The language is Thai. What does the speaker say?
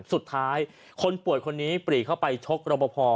สุดท้ายคนปวดคนนี้ปรีกเข้าไปชกรบพอ